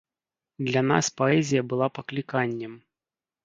Для нас паэзія была пакліканнем.